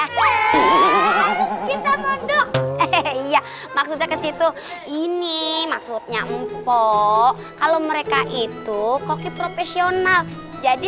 hihihi maksudnya ke situ ini maksudnya opoo kalau mereka itu koki profesional jadi